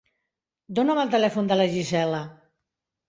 Dona'm el telèfon de la Gisel·la.